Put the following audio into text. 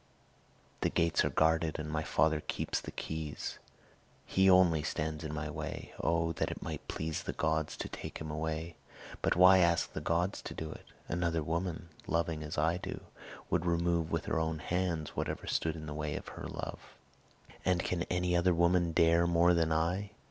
The gates are guarded, and my father keeps the keys; he only stands in my way. O that it might please the gods to take him away! But why ask the gods to do it? Another woman, loving as I do, would remove with her own hands whatever stood in the way of her love. And can any other woman dare more than I?